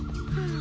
あ。